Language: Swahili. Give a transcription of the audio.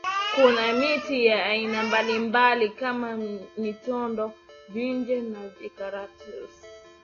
Kuna miti ya aina mbalimbali kama mitondoo mivinje na mikaratusi